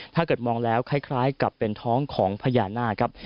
ถ้าเกิดมองแล้วคล้ายกับเป็นท้องของพญานาคครับ